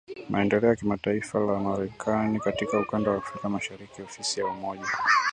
Maendeleo ya Kimataifa la Marekani katika Ukanda wa Afrika Mashariki Ofisi ya Umoja